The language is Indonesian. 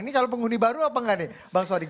ini calon penghuni baru apa enggak nih bang swadik